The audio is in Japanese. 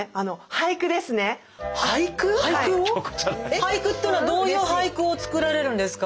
⁉俳句を⁉俳句というのはどういう俳句を作られるんですか？